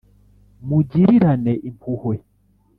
Mugirirane impuhwe